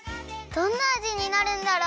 どんなあじになるんだろう？